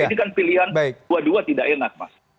ini kan pilihan dua dua tidak enak mas